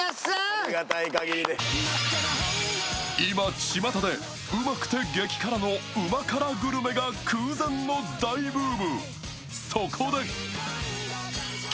今ちまたで、うまくて激辛のうま辛グルメが空前の大ブーム。